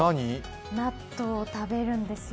納豆を食べるんですよ。